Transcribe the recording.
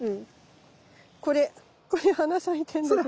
これこれ花咲いてんだけど。